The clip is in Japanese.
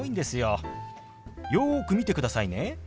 よく見てくださいね。